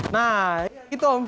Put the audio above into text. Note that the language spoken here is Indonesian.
nah gitu om